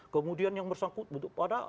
kemudian yang bersangkutan